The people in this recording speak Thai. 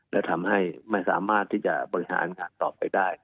และทำให้ไม่สามารถที่จะบริหารงานต่อไปได้